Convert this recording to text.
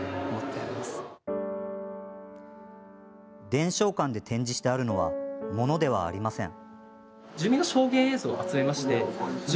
伝承館で展示してあるのは物ではありません。